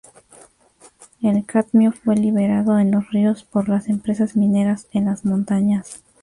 El cadmio fue liberado en los ríos por las empresas mineras en las montañas.